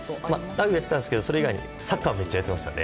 ラグビーやってたんですけどそれ以外にサッカーやってました。